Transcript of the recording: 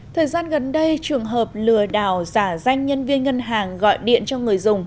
thời gian gần đây trường hợp lừa đảo giả danh nhân viên ngân hàng gọi điện cho người dùng